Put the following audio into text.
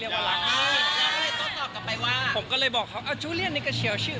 ผมก็เลยบอกเขาเอาจุเรียนนี่ก็เชียวชื่อ